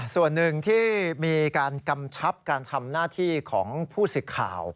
ส่วนหนึ่งที่มีการกำชับการทำหน้าที่ของผู้สื่อข่าว